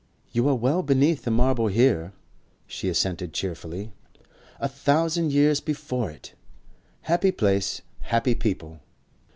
"You are well beneath the marble here." She assented cheerfully. "A thousand years before it." "Happy place! Happy people!"